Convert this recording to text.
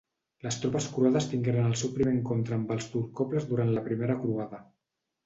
Les tropes croades tingueren el seu primer encontre amb els turcoples durant la Primera Croada.